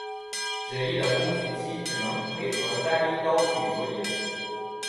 简易的工具机只能配合单一刀具作业。